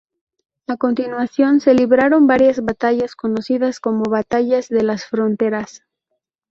A continuación se libraron varias batallas conocidas como Batallas de las Fronteras.